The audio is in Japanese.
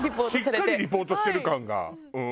しっかりリポートしてる感が。